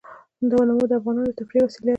تنوع د افغانانو د تفریح یوه وسیله ده.